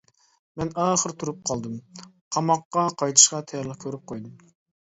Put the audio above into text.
مەن ئاخىرى تۇرۇپ قالدىم، قاماققا قايتىشقا تەييارلىق كۆرۈپ قويدۇم.